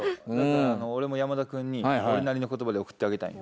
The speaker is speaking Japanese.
俺も山田君に俺なりの言葉で送ってあげたんよ。